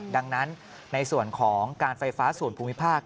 ดังนั้นในส่วนของการไฟฟ้าส่วนภูมิภาค